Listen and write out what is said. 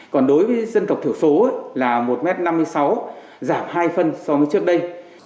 còn đối với dân tộc thiểu số là một m năm mươi sáu giảm hai phân so với trước đây